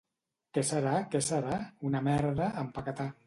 —Què serà?, què serà? —Una merda «empaquetà».